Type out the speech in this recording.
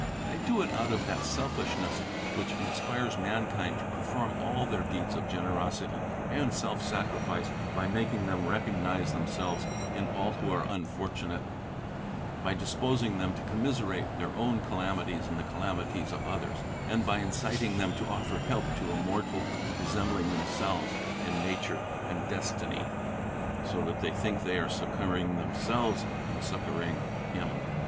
I do it out of that selfishness which inspires mankind to perform all their deeds of generosity and self sacrifice, by making them recognize themselves in all who are unfortunate, by disposing them to commiserate their own calamities in the calamities of others and by inciting them to offer help to a mortal resembling themselves in nature and destiny, so that they think they are succouring themselves in succouring him.